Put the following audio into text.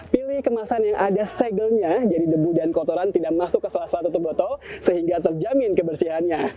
pilih kemasan yang ada segelnya jadi debu dan kotoran tidak masuk ke salah salah tutup botol sehingga terjamin kebersihannya